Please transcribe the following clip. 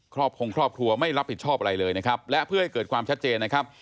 คงครอบครัวไม่รับผิดชอบอะไรเลยนะครับและเพื่อให้เกิดความชัดเจนนะครับ